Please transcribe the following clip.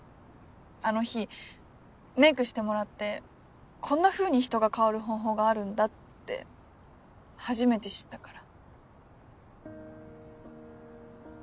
あの日メイクしてもらってこんなふうに人が変わる方法があるんだって初めて知ったから。